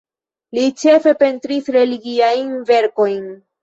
Li ĉefe pentris religiajn verkojn.